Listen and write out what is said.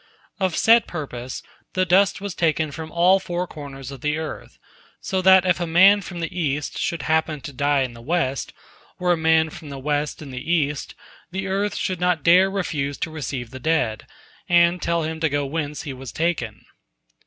Of set purpose the dust was taken from all four corners of the earth, so that if a man from the east should happen to die in the west, or a man from the west in the east, the earth should not dare refuse to receive the dead, and tell him to go whence he was taken.